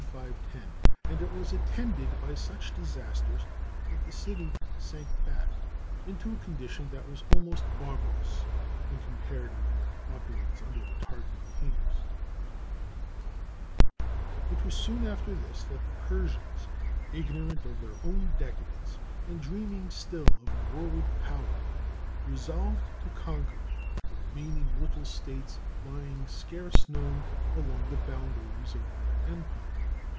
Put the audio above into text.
510, and it was attended by such disasters that the city sank back into a condition that was almost barbarous when compared with her opulence under the Tarquin kings. [Footnote 18: See Rome Established as a Republic, page 300.] It was soon after this that the Persians, ignorant of their own decadence, and dreaming still of world power, resolved to conquer the remaining little states lying scarce known along the boundaries of their empire.